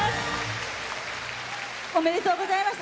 おめでとうございます。